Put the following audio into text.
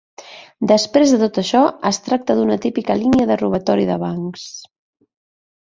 Després de tot això es tracta d'una típica línia de robatori de bancs.